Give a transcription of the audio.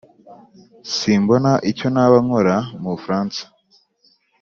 simbona icyo naba nkora mu bufaransa.